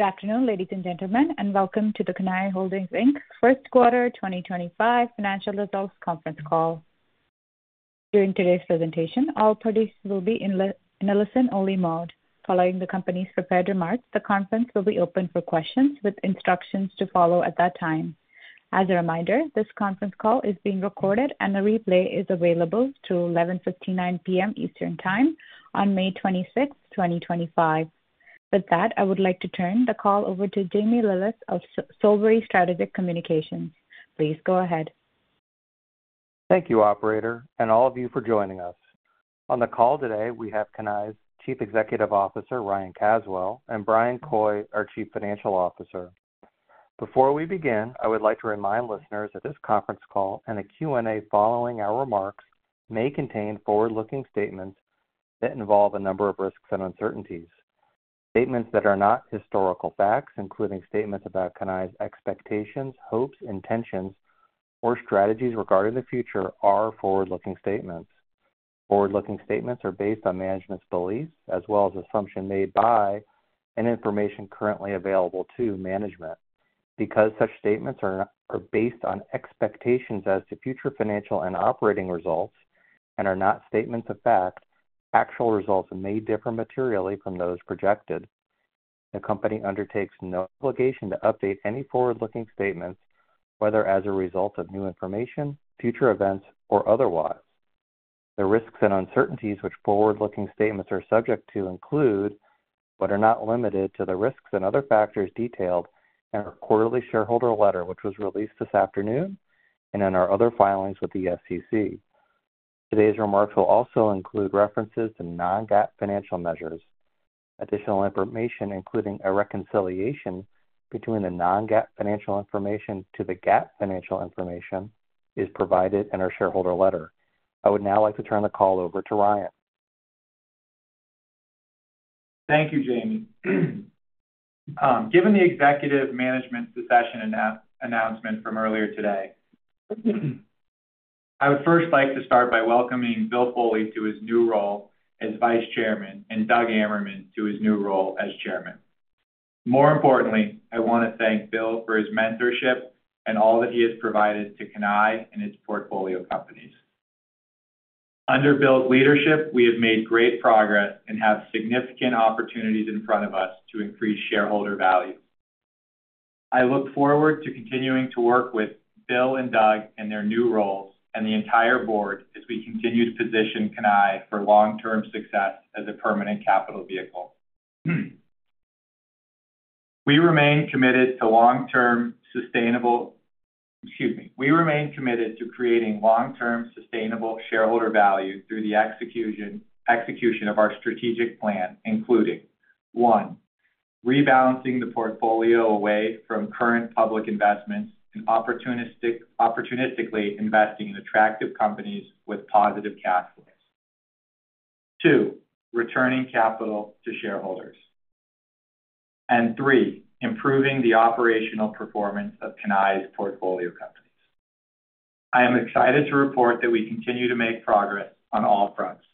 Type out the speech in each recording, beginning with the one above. Good afternoon, ladies and gentlemen, and welcome to the Cannae Holdings First Quarter 2025 Financial Results Conference Call. During today's presentation, all parties will be in a listen-only mode. Following the company's prepared remarks, the conference will be open for questions with instructions to follow at that time. As a reminder, this conference call is being recorded, and the replay is available through 11:59 P.M. Eastern Time on May 26, 2025. With that, I would like to turn the call over to Jamie Lillis of Solebury Strategic Communications. Please go ahead. Thank you, Operator, and all of you for joining us. On the call today, we have Cannae's Chief Executive Officer, Ryan Caswell, and Bryan Coy, our Chief Financial Officer. Before we begin, I would like to remind listeners that this conference call and the Q&A following our remarks may contain forward-looking statements that involve a number of risks and uncertainties. Statements that are not historical facts, including statements about Cannae's expectations, hopes, intentions, or strategies regarding the future, are forward-looking statements. Forward-looking statements are based on management's beliefs as well as assumptions made by and information currently available to management. Because such statements are based on expectations as to future financial and operating results and are not statements of fact, actual results may differ materially from those projected. The company undertakes no obligation to update any forward-looking statements, whether as a result of new information, future events, or otherwise. The risks and uncertainties which forward-looking statements are subject to include but are not limited to the risks and other factors detailed in our quarterly shareholder letter, which was released this afternoon, and in our other filings with the SEC. Today's remarks will also include references to non-GAAP financial measures. Additional information, including a reconciliation between the non-GAAP financial information to the GAAP financial information, is provided in our shareholder letter. I would now like to turn the call over to Ryan. Thank you, Jamie. Given the executive management secession announcement from earlier today, I would first like to start by welcoming Bill Foley to his new role as Vice Chairman and Doug Ammerman to his new role as Chairman. More importantly, I want to thank Bill for his mentorship and all that he has provided to Cannae and its portfolio companies. Under Bill's leadership, we have made great progress and have significant opportunities in front of us to increase shareholder value. I look forward to continuing to work with Bill and Doug in their new roles and the entire board as we continue to position Cannae for long-term success as a permanent capital vehicle. We remain committed to long-term sustainable—excuse me. We remain committed to creating long-term sustainable shareholder value through the execution of our strategic plan, including: one, rebalancing the portfolio away from current public investments and opportunistically investing in attractive companies with positive cash flows; two, returning capital to shareholders; and three, improving the operational performance of Cannae's portfolio companies. I am excited to report that we continue to make progress on all fronts.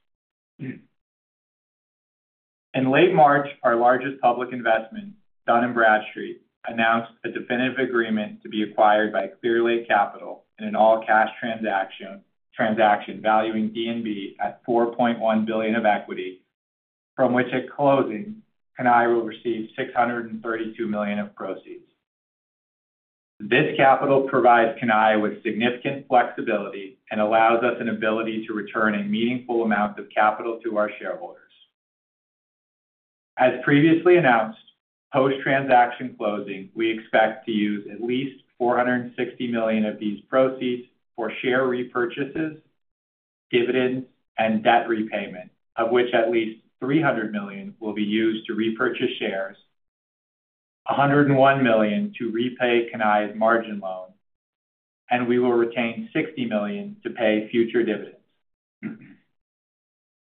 In late March, our largest public investment, Dun & Bradstreet, announced a definitive agreement to be acquired by Clearlake Capital in an all-cash transaction valuing D&B at $4.1 billion of equity, from which at closing, Cannae will receive $632 million of proceeds. This capital provides Cannae with significant flexibility and allows us an ability to return a meaningful amount of capital to our shareholders. As previously announced, post-transaction closing, we expect to use at least $460 million of these proceeds for share repurchases, dividends, and debt repayment, of which at least $300 million will be used to repurchase shares, $101 million to repay Cannae's margin loan, and we will retain $60 million to pay future dividends.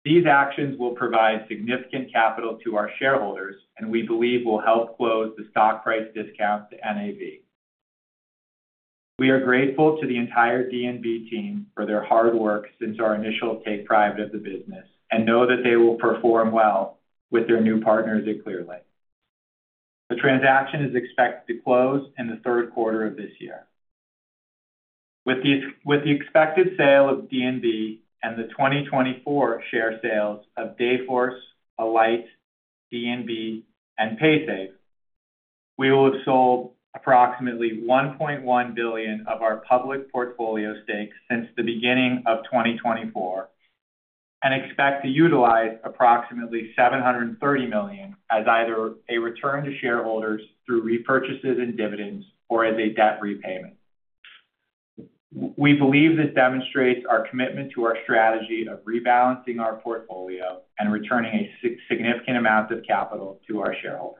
These actions will provide significant capital to our shareholders and we believe will help close the stock price discount to NAV. We are grateful to the entire D&B team for their hard work since our initial take-private of the business and know that they will perform well with their new partners at Clearlake. The transaction is expected to close in the third quarter of this year. With the expected sale of D&B and the 2024 share sales of Dayforce, Alight, D&B, and Paysafe, we will have sold approximately $1.1 billion of our public portfolio stake since the beginning of 2024 and expect to utilize approximately $730 million as either a return to shareholders through repurchases and dividends or as a debt repayment. We believe this demonstrates our commitment to our strategy of rebalancing our portfolio and returning a significant amount of capital to our shareholders.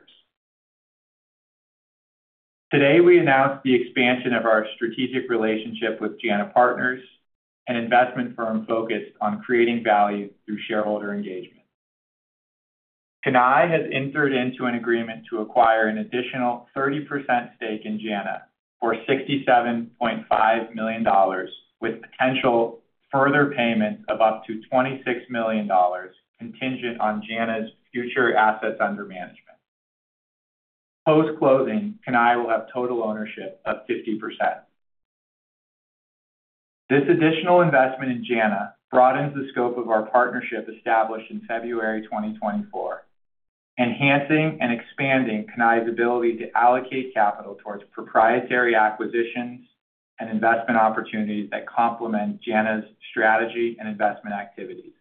Today, we announced the expansion of our strategic relationship with JANA Partners, an investment firm focused on creating value through shareholder engagement. Cannae has entered into an agreement to acquire an additional 30% stake in Jana for $67.5 million with potential further payments of up to $26 million contingent on JANA's future assets under management. Post-closing, Cannae will have total ownership of 50%. This additional investment in JANA broadens the scope of our partnership established in February 2024, enhancing and expanding Cannae's ability to allocate capital towards proprietary acquisitions and investment opportunities that complement JANA's strategy and investment activities.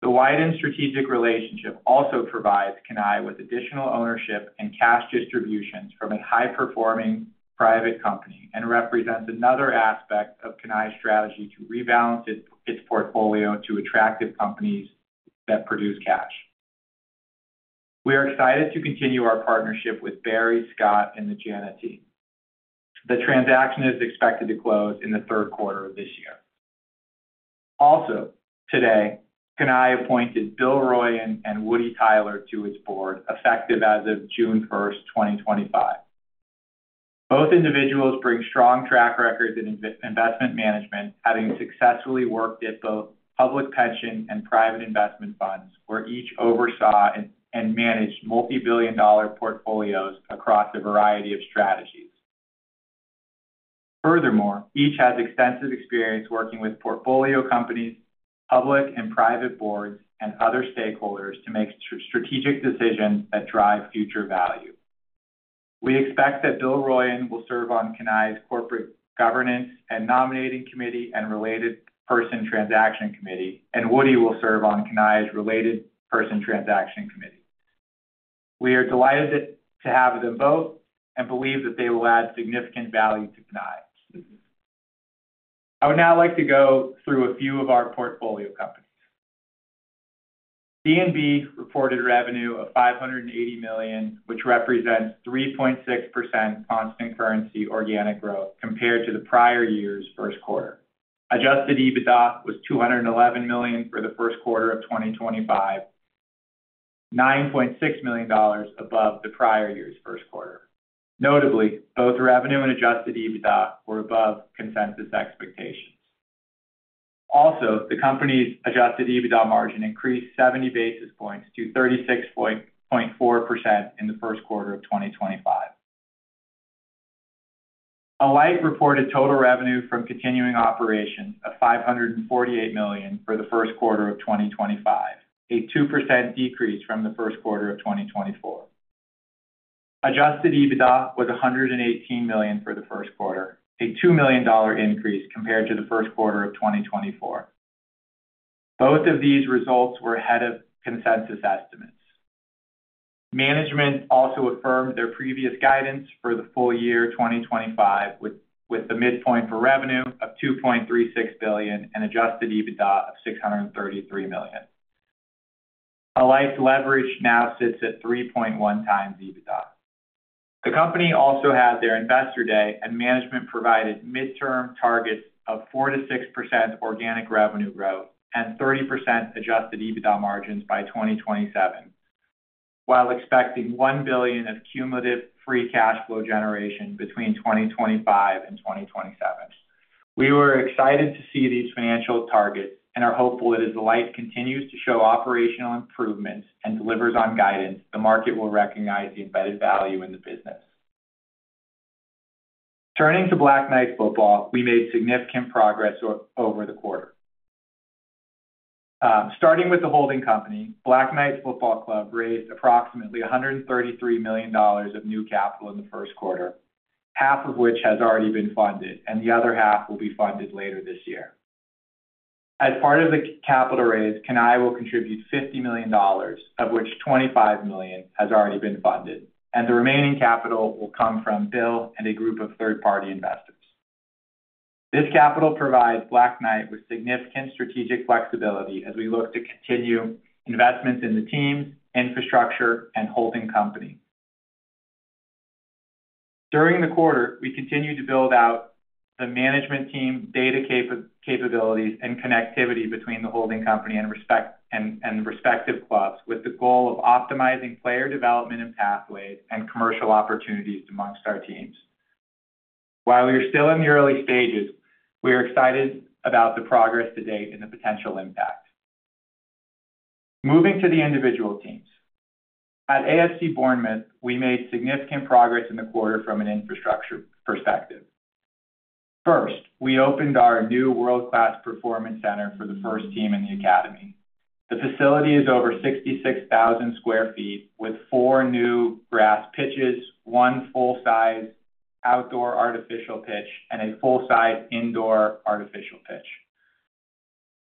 The widened strategic relationship also provides Cannae with additional ownership and cash distributions from a high-performing private company and represents another aspect of Cannae's strategy to rebalance its portfolio to attractive companies that produce cash. We are excited to continue our partnership with Barry, Scott, and the JANA team. The transaction is expected to close in the third quarter of this year. Also, today, Cannae appointed Bill Ryan and Woody Tyler to its board, effective as of June 1st, 2025. Both individuals bring strong track records in investment management, having successfully worked at both public pension and private investment funds where each oversaw and managed multi-billion dollar portfolios across a variety of strategies. Furthermore, each has extensive experience working with portfolio companies, public and private boards, and other stakeholders to make strategic decisions that drive future value. We expect that Bill Ryan will serve on Cannae's Corporate Governance and Nominating Committee and Related Person Transaction Committee, and Woody will serve on Cannae's Related Person Transaction Committee. We are delighted to have them both and believe that they will add significant value to Cannae. I would now like to go through a few of our portfolio companies. D&B reported revenue of $580 million, which represents 3.6% constant currency organic growth compared to the prior year's first quarter. Adjusted EBITDA was $211 million for the first quarter of 2025, $9.6 million above the prior year's first quarter. Notably, both revenue and adjusted EBITDA were above consensus expectations. Also, the company's adjusted EBITDA margin increased 70 basis points to 36.4% in the first quarter of 2025. Alight reported total revenue from continuing operations of $548 million for the first quarter of 2025, a 2% decrease from the first quarter of 2024. Adjusted EBITDA was $118 million for the first quarter, a $2 million increase compared to the first quarter of 2024. Both of these results were ahead of consensus estimates. Management also affirmed their previous guidance for the full year 2025 with the midpoint for revenue of $2.36 billion and adjusted EBITDA of $633 million. Alight's leverage now sits at 3.1x EBITDA. The company also had their investor day, and management provided midterm targets of 4%-6% organic revenue growth and 30% adjusted EBITDA margins by 2027, while expecting $1 billion of cumulative free cash flow generation between 2025 and 2027. We were excited to see these financial targets and are hopeful that as Alight continues to show operational improvements and delivers on guidance, the market will recognize the embedded value in the business. Turning to Black Knights Football, we made significant progress over the quarter. Starting with the holding company, Black Knights Football Club raised approximately $133 million of new capital in the first quarter, half of which has already been funded, and the other half will be funded later this year. As part of the capital raise, Cannae will contribute $50 million, of which $25 million has already been funded, and the remaining capital will come from Bill and a group of third-party investors. This capital provides Black Knights Football Club with significant strategic flexibility as we look to continue investments in the teams, infrastructure, and holding company. During the quarter, we continue to build out the management team, data capabilities, and connectivity between the holding company and respective clubs with the goal of optimizing player development and pathways and commercial opportunities amongst our teams. While we are still in the early stages, we are excited about the progress to date and the potential impact. Moving to the individual teams. At AFC Bournemouth, we made significant progress in the quarter from an infrastructure perspective. First, we opened our new world-class performance center for the first team in the academy. The facility is over 66,000 sq ft with four new grass pitches, one full-size outdoor artificial pitch, and a full-size indoor artificial pitch.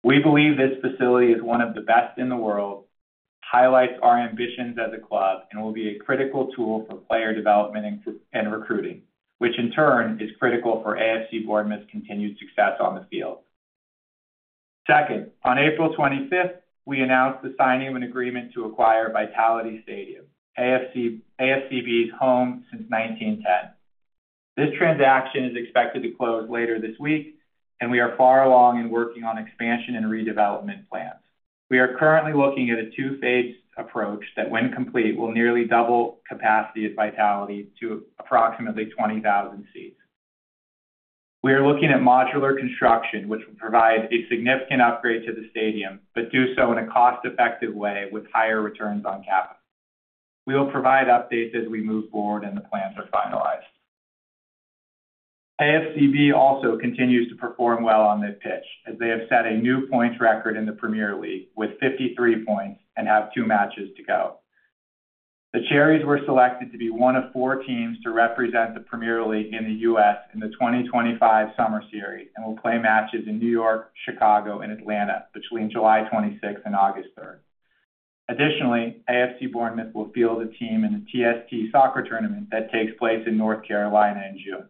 We believe this facility is one of the best in the world, highlights our ambitions as a club, and will be a critical tool for player development and recruiting, which in turn is critical for AFC Bournemouth's continued success on the field. Second, on April 25th, we announced the signing of an agreement to acquire Vitality Stadium, AFC Bournemouth's home since 1910. This transaction is expected to close later this week, and we are far along in working on expansion and redevelopment plans. We are currently looking at a two-phase approach that, when complete, will nearly double capacity at Vitality to approximately 20,000 seats. We are looking at modular construction, which will provide a significant upgrade to the stadium but do so in a cost-effective way with higher returns on capital. We will provide updates as we move forward and the plans are finalized. AFCB also continues to perform well on their pitch as they have set a new points record in the Premier League with 53 points and have two matches to go. The Cherries were selected to be one of four teams to represent the Premier League in the U.S. in the 2025 Summer Series and will play matches in New York, Chicago, and Atlanta between July 26th and August 3rd. Additionally, AFC Bournemouth will field a team in the TST soccer tournament that takes place in North Carolina in June.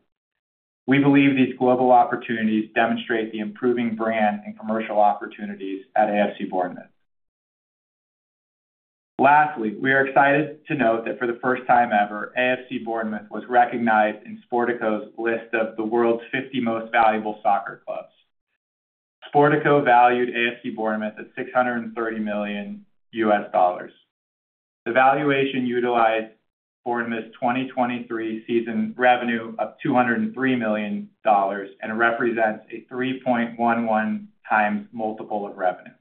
We believe these global opportunities demonstrate the improving brand and commercial opportunities at AFC Bournemouth. Lastly, we are excited to note that for the first time ever, AFC Bournemouth was recognized in Sportico's list of the world's 50 most valuable soccer clubs. Sportico valued AFC Bournemouth at $630 million. The valuation utilized Bournemouth's 2023 season revenue of $203 million and represents a 3.11x multiple of revenue.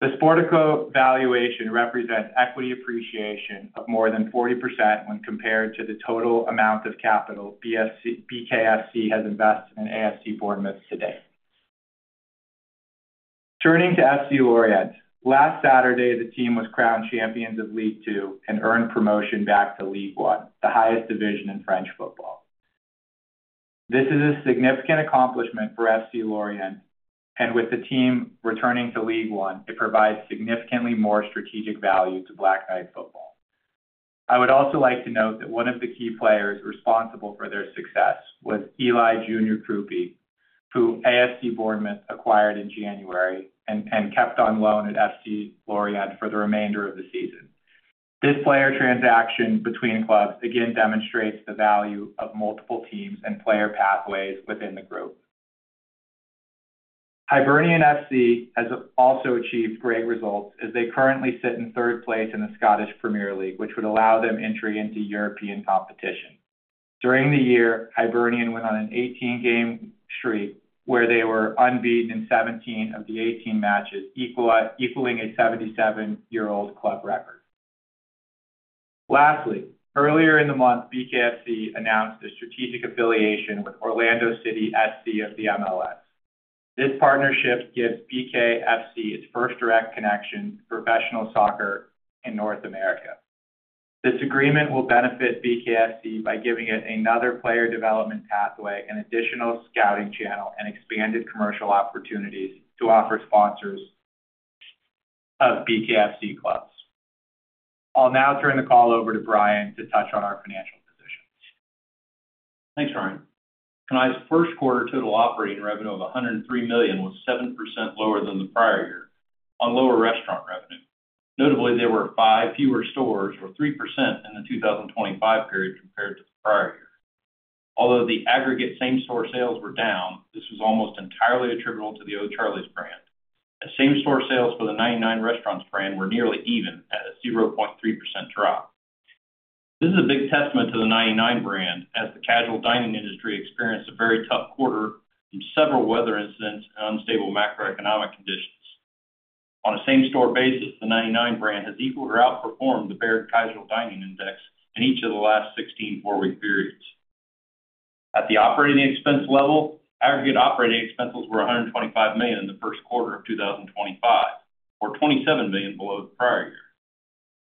The Sportico valuation represents equity appreciation of more than 40% when compared to the total amount of capital BKFC has invested in AFC Bournemouth today. Turning to FC Lorient, last Saturday, the team was crowned champions of League Two and earned promotion back to League One, the highest division in French football. This is a significant accomplishment for FC Lorient, and with the team returning to League One, it provides significantly more strategic value to Black Knight Football. I would also like to note that one of the key players responsible for their success was Eli Junior Kroupi, who AFC Bournemouth acquired in January and kept on loan at FC Lorient for the remainder of the season. This player transaction between clubs again demonstrates the value of multiple teams and player pathways within the group. Hibernian FC has also achieved great results as they currently sit in third place in the Scottish Premiership, which would allow them entry into European competition. During the year, Hibernian went on an 18-game streak where they were unbeaten in 17 of the 18 matches, equaling a 77-year-old club record. Lastly, earlier in the month, BKFC announced a strategic affiliation with Orlando City SC of the MLS. This partnership gives BKFC its first direct connection to professional soccer in the U.S. This agreement will benefit BKFC by giving it another player development pathway, an additional scouting channel, and expanded commercial opportunities to offer sponsors of BKFC clubs. I'll now turn the call over to Bryan to touch on our financial position. Thanks, Ryan. Cannae's first quarter total operating revenue of $103 million was 7% lower than the prior year on lower restaurant revenue. Notably, there were five fewer stores or 3% in the 2025 period compared to the prior year. Although the aggregate same-store sales were down, this was almost entirely attributable to the O'Charley's brand. Same-store sales for the 99 Restaurants brand were nearly even at a 0.3% drop. This is a big testament to the 99 brand as the casual dining industry experienced a very tough quarter from several weather incidents and unstable macroeconomic conditions. On a same-store basis, the 99 brand has equal or outperformed the Baird Casual Dining Index in each of the last 16 four-week periods. At the operating expense level, aggregate operating expenses were $125 million in the first quarter of 2025, or $27 million below the prior year.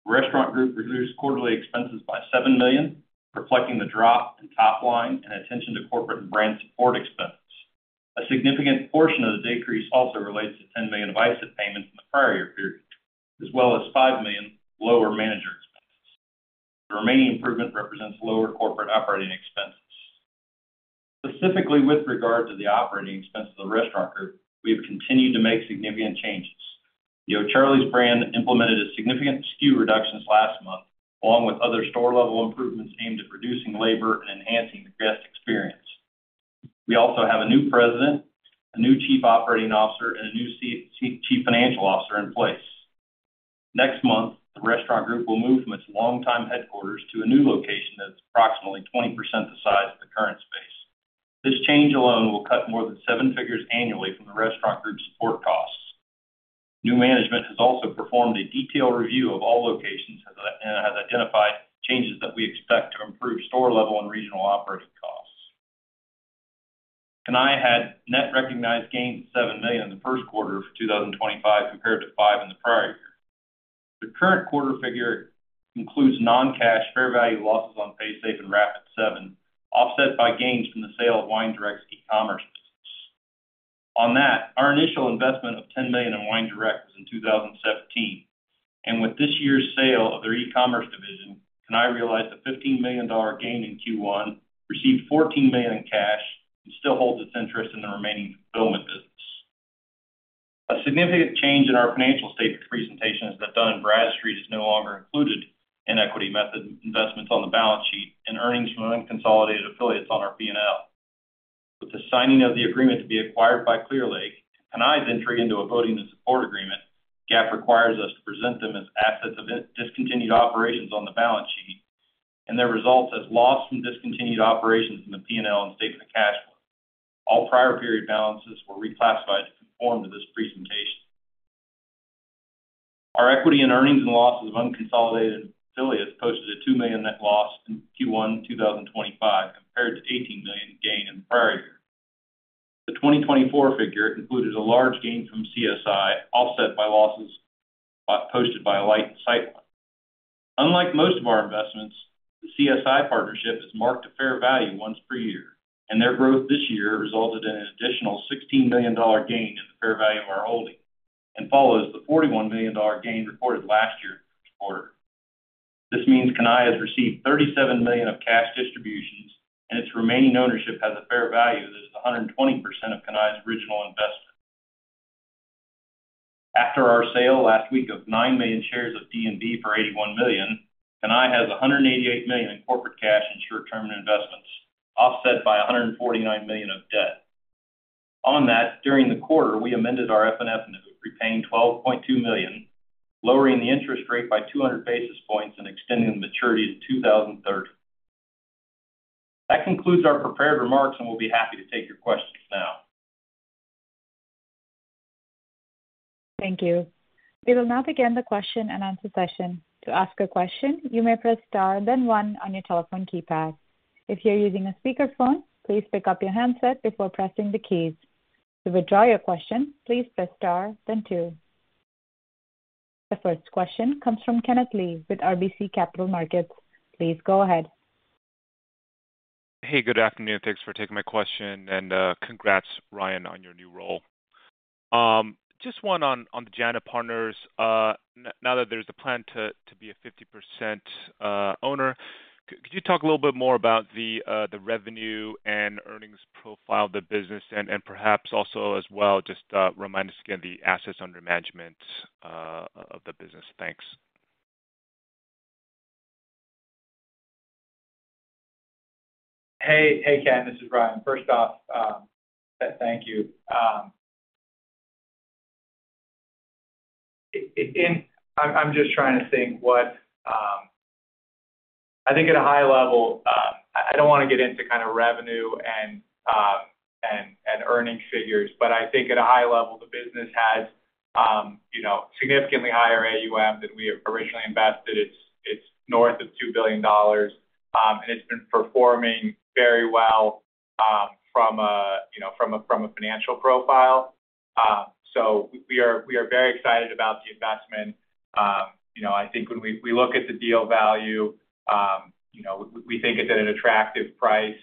Restaurant Group reduced quarterly expenses by $7 million, reflecting the drop in top line and attention to corporate and brand support expenses. A significant portion of the decrease also relates to $10 million of ISIP payments in the prior year period, as well as $5 million lower manager expenses. The remaining improvement represents lower corporate operating expenses. Specifically, with regard to the operating expenses of the restaurant group, we have continued to make significant changes. The O'Charley's brand implemented a significant SKU reduction last month, along with other store-level improvements aimed at reducing labor and enhancing the guest experience. We also have a new President, a new Chief Operating Officer, and a new Chief Financial Officer in place. Next month, the restaurant group will move from its longtime headquarters to a new location that is approximately 20% the size of the current space. This change alone will cut more than seven figures annually from the restaurant group's support costs. New management has also performed a detailed review of all locations and has identified changes that we expect to improve store-level and regional operating costs. Cannae had net recognized gains of $7 million in the first quarter of 2025 compared to $5 million in the prior year. The current quarter figure includes non-cash fair value losses on Paysafe and Rapid7, offset by gains from the sale of WineDirect's e-commerce business. On that, our initial investment of $10 million in WineDirect was in 2017, and with this year's sale of their e-commerce division, Cannae realized a $15 million gain in Q1, received $14 million in cash, and still holds its interest in the remaining fulfillment business. A significant change in our financial statement presentation is that Dun & Bradstreet is no longer included in equity method investments on the balance sheet and earnings from unconsolidated affiliates on our P&L. With the signing of the agreement to be acquired by Clearlake, Cannae's entry into a voting and support agreement gap requires us to present them as assets of discontinued operations on the balance sheet, and their results as loss from discontinued operations in the P&L and statement of cash flow. All prior period balances were reclassified to conform to this presentation. Our equity and earnings and losses of unconsolidated affiliates posted a $2 million net loss in Q1 2025 compared to $18 million gain in the prior year. The 2024 figure included a large gain from CSI, offset by losses posted by Alight and Sightline. Unlike most of our investments, the CSI partnership is marked to fair value once per year, and their growth this year resulted in an additional $16 million gain in the fair value of our holding and follows the $41 million gain reported last year's quarter. This means Cannae has received $37 million of cash distributions, and its remaining ownership has a fair value that is 120% of Cannae's original investment. After our sale last week of 9 million shares of D&B for $81 million, Cannae has $188 million in corporate cash and short-term investments, offset by $149 million of debt. On that, during the quarter, we amended our F&F note, repaying $12.2 million, lowering the interest rate by 200 basis points and extending the maturity to 2030. That concludes our prepared remarks, and we'll be happy to take your questions now. Thank you. We will now begin the question and answer session. To ask a question, you may press star, then one on your telephone keypad. If you're using a speakerphone, please pick up your handset before pressing the keys. To withdraw your question, please press star, then two. The first question comes from Kenneth Lee with RBC Capital Markets. Please go ahead. Hey, good afternoon. Thanks for taking my question, and congrats, Ryan, on your new role. Just one on the Jana Partners. Now that there's a plan to be a 50% owner, could you talk a little bit more about the revenue and earnings profile of the business and perhaps also, as well, just remind us again the assets under management of the business? Thanks. Hey, hey Ken, this is Ryan. First off, thank you. I'm just trying to think what I think at a high level, I don't want to get into kind of revenue and earnings figures, but I think at a high level, the business has significantly higher AUM than we originally invested. It's north of $2 billion, and it's been performing very well from a financial profile. We are very excited about the investment. I think when we look at the deal value, we think it's at an attractive price,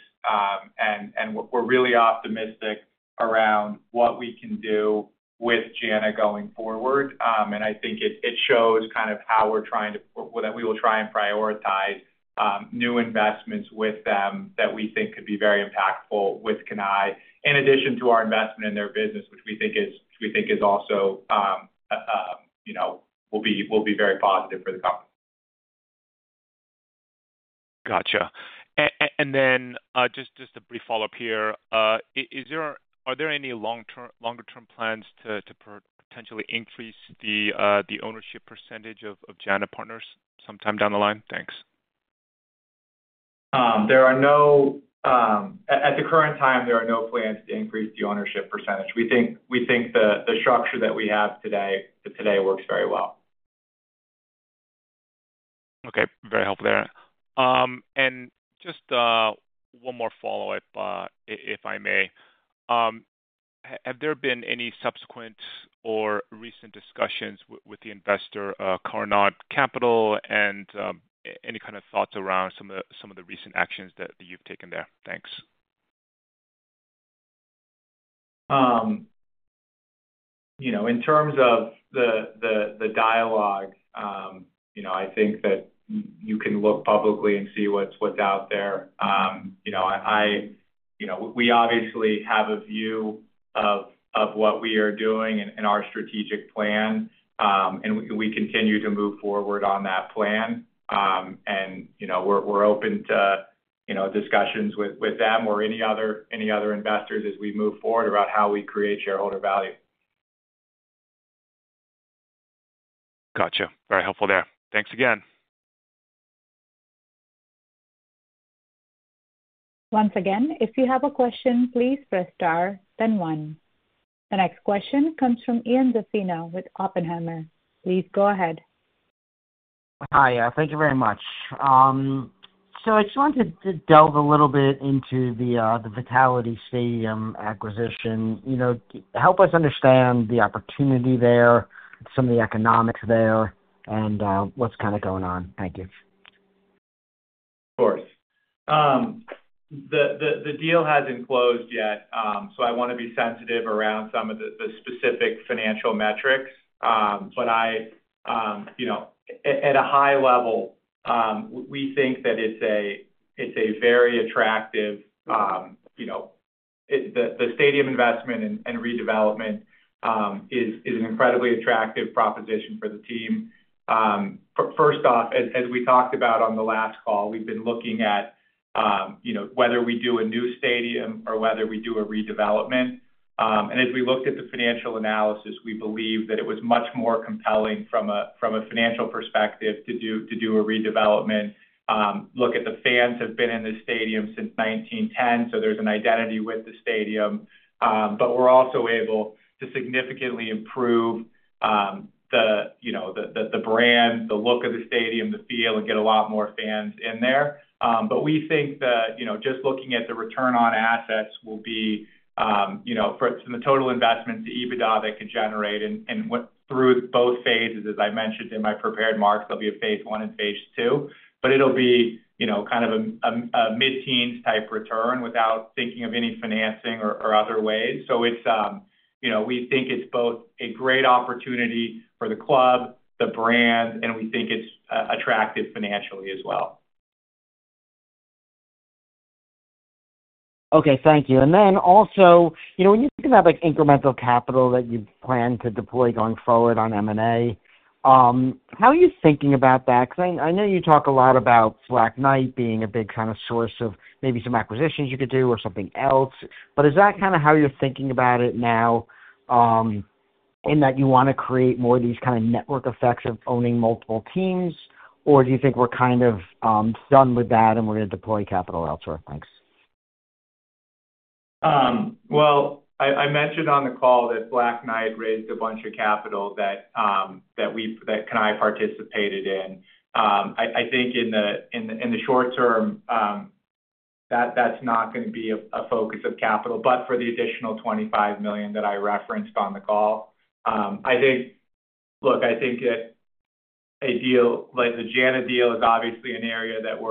and we're really optimistic around what we can do with JANA going forward. I think it shows kind of how we're trying to, that we will try and prioritize new investments with them that we think could be very impactful with Cannae, in addition to our investment in their business, which we think is also will be very positive for the company. Gotcha. And then just a brief follow-up here. Are there any longer-term plans to potentially increase the ownership percentage of Jana Partners sometime down the line? Thanks. There are no, at the current time, there are no plans to increase the ownership percentage. We think the structure that we have today works very well. Okay. Very helpful there. Just one more follow-up, if I may. Have there been any subsequent or recent discussions with the investor, Carronade Capital, and any kind of thoughts around some of the recent actions that you've taken there? Thanks. In terms of the dialogue, I think that you can look publicly and see what's out there. We obviously have a view of what we are doing and our strategic plan, and we continue to move forward on that plan. We're open to discussions with them or any other investors as we move forward about how we create shareholder value. Gotcha. Very helpful there. Thanks again. Once again, if you have a question, please press star, then one. The next question comes from Ian Zaffino with Oppenheimer. Please go ahead. Hi. Thank you very much. I just wanted to delve a little bit into the Vitality Stadium acquisition. Help us understand the opportunity there, some of the economics there, and what's kind of going on. Thank you. Of course. The deal hasn't closed yet, so I want to be sensitive around some of the specific financial metrics. At a high level, we think that it's a very attractive stadium investment and redevelopment is an incredibly attractive proposition for the team. First off, as we talked about on the last call, we've been looking at whether we do a new stadium or whether we do a redevelopment. As we looked at the financial analysis, we believe that it was much more compelling from a financial perspective to do a redevelopment. Look at the fans who have been in this stadium since 1910, so there's an identity with the stadium. We're also able to significantly improve the brand, the look of the stadium, the feel, and get a lot more fans in there. We think that just looking at the return on assets will be from the total investment to EBITDA that could generate and through both phases, as I mentioned in my prepared marks, there'll be a phase one and phase two. It'll be kind of a mid-teens type return without thinking of any financing or other ways. We think it's both a great opportunity for the club, the brand, and we think it's attractive financially as well. Okay. Thank you. Also, when you think about incremental capital that you plan to deploy going forward on M&A, how are you thinking about that? I know you talk a lot about Black Knight being a big kind of source of maybe some acquisitions you could do or something else. Is that kind of how you're thinking about it now in that you want to create more of these kind of network effects of owning multiple teams, or do you think we're kind of done with that and we're going to deploy capital elsewhere? Thanks. I mentioned on the call that Black Knights Football Club raised a bunch of capital that Cannae participated in. I think in the short term, that's not going to be a focus of capital. For the additional $25 million that I referenced on the call, I think, look, I think that a deal like the JANA Partners deal is obviously an area that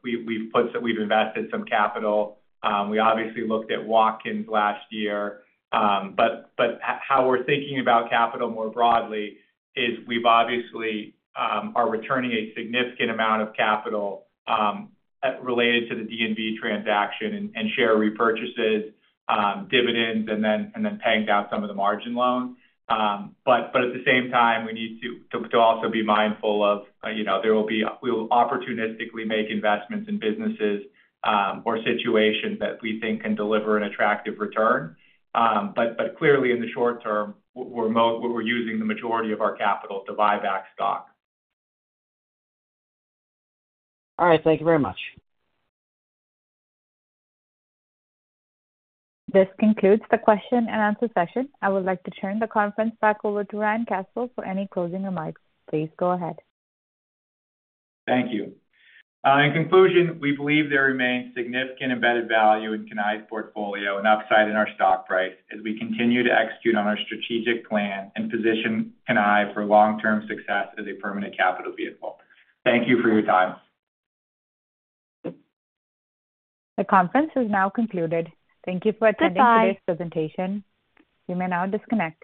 we've invested some capital. We obviously looked at Walkins last year. How we're thinking about capital more broadly is we obviously are returning a significant amount of capital related to the Dun & Bradstreet transaction and share repurchases, dividends, and then paying down some of the margin loans. At the same time, we need to also be mindful of there will be we'll opportunistically make investments in businesses or situations that we think can deliver an attractive return. Clearly, in the short term, we're using the majority of our capital to buy back stock. All right. Thank you very much. This concludes the question and answer session. I would like to turn the conference back over to Ryan Caswell for any closing remarks. Please go ahead. Thank you. In conclusion, we believe there remains significant embedded value in Cannae's portfolio and upside in our stock price as we continue to execute on our strategic plan and position Cannae for long-term success as a permanent capital vehicle. Thank you for your time. The conference is now concluded. Thank you for attending today's presentation. You may now disconnect.